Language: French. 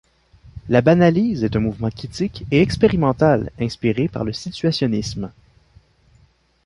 La banalyse est un mouvement critique et expérimental inspiré par le situationisme.